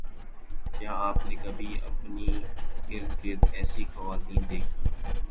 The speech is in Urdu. کیا آپ نے کبھی اپنی اررگرد ایسی خواتین دیکھیں